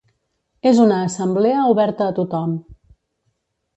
És una assemblea oberta a tothom.